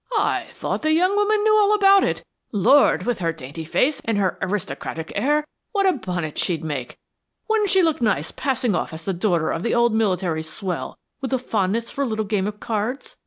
"I thought the young woman knew all about it. Lord, with her dainty face and her aristocratic air, what a bonnet she'd make. Wouldn't she look nice passing off as the daughter of the old military swell with a fondness for a little game of cards?